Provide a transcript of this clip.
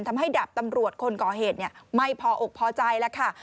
ทำให้ดาบตำรวจคนก่อเหตุไม่พออกพอใจแล้วค่ะ